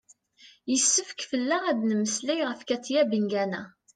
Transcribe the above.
yessefk fell-aɣ ad d-nemmeslay ɣef katia bengana